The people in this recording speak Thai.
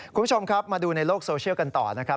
คุณผู้ชมครับมาดูในโลกโซเชียลกันต่อนะครับ